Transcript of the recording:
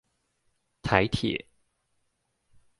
臺鐵